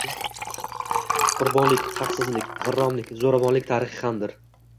qurbonlik, haqsizlik, g’irromlik, zo’ravonlik tarixi hamdir.